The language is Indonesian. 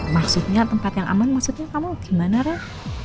maksudnya tempat yang aman maksudnya kamu gimana rah